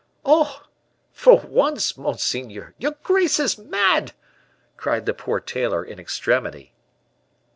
Oh! for once, monseigneur, your grace is mad!" cried the poor tailor in extremity.